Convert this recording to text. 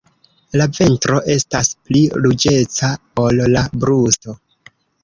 La ventro estas pli ruĝeca ol la brusto.